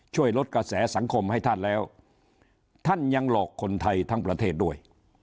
ช่วยลดกระแสสังคมให้ท่านแล้วท่านยังหลอกคนไทยทั้งประเทศด้วย